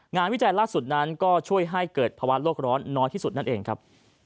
วิจัยล่าสุดนั้นก็ช่วยให้เกิดภาวะโลกร้อนน้อยที่สุดนั่นเองครับ